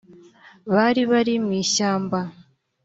baribari mwishyamba